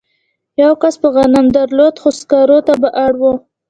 یوه کس به غنم درلودل خو سکارو ته به اړ و